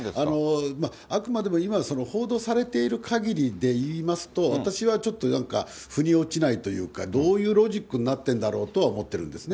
あくまでも今、報道されているかぎりで言いますと、私はちょっとなんか、ふに落ちないというか、どういうロジックになってるんだろうとは思うんですね。